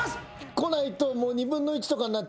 来ないと２分の１とかになっちゃうから。